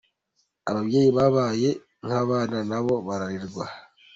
Ababyeyi babaye nk’abana na bo bararerwa.